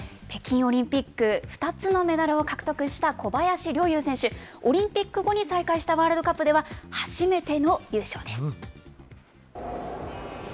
北京オリンピック、２つのメダルを獲得した小林陵侑選手、オリンピック後に再開したワールドカップでは、初めての優勝です。